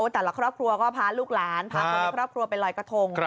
แต่ละครอบครัวก็พาลูกหลานพาคนในครอบครัวไปลอยกระทง